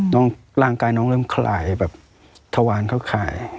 ร่างกายน้องเริ่มคลายแบบทวารเข้าข่าย